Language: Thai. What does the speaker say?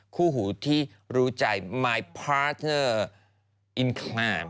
คู่หูที่รู้ใจมายพาเทอร์อินคราม